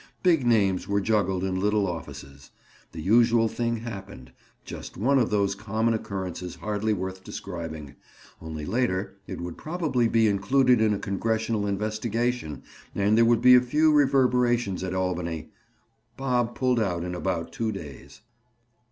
Big names were juggled in little offices. The usual thing happened—just one of those common occurrences hardly worth describing—only later it would probably be included in a congressional investigation and there would be a few reverberations at Albany. Bob pulled out in about two days.